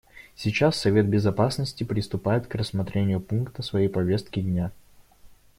Сейчас Совет Безопасности приступает к рассмотрению пункта своей повестки дня.